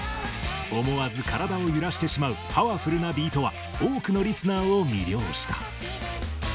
思わず体を揺らしてしまうパワフルなビートは多くのリスナーを魅了した。